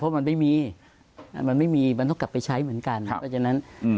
เพราะมันไม่มีมันไม่มีมันต้องกลับไปใช้เหมือนกัน